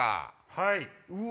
はい。